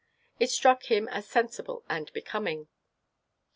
It struck him as sensible and becoming.